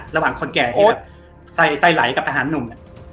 ระหว่างคนแกที่แบบไส้ไหลกับทหารหนุ่ม